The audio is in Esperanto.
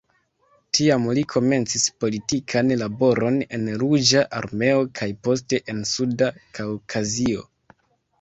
Tiam li komencis politikan laboron en la Ruĝa Armeo kaj poste en Suda Kaŭkazio.